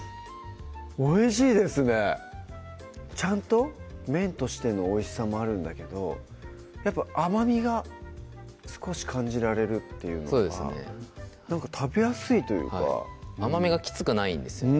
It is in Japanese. おいしいですねちゃんと麺としてのおいしさもあるんだけどやっぱ甘みが少し感じられるっていうのが食べやすいというか甘みがきつくないんですよね